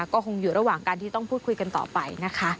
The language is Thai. ก็คงอยู่ระหว่างการที่ต้องพูดคุยกันต่อไปนะคะ